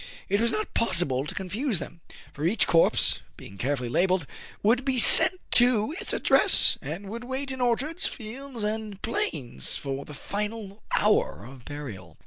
It was not possible to confuse them ; for each corpse, being carefully labelled, would be sent to its address, and would wait in orchards, fields, and plains for the final hour of burial.